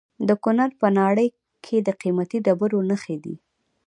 د کونړ په ناړۍ کې د قیمتي ډبرو نښې دي.